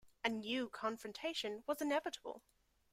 A new confrontation was inevitable.